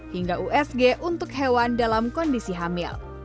hingga usg untuk hewan dalam kondisi hamil